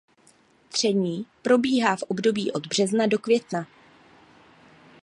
Tření probíhá v období od března do května.